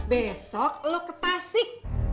besok lu ke tasik